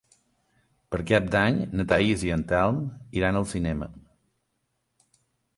Per Cap d'Any na Thaís i en Telm iran al cinema.